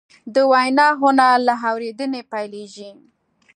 د وینا هنر له اورېدنې پیلېږي